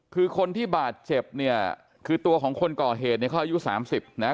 คือคนที่บาดเจ็บเนี่ยคือตัวของคนก่อเหตุเนี่ยเขาอายุสามสิบนะฮะ